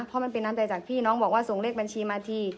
เพราะมันเป็นน้ำใจจากพี่น้องบอกว่าส่งเลขบัญชีมาที